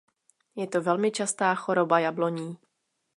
Je to velmi častá choroba jabloní.